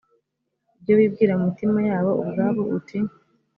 ibyo bibwira mu mitima yabo ubwabo uti